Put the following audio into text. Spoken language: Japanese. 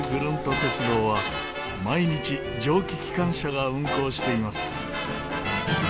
鉄道は毎日蒸気機関車が運行しています。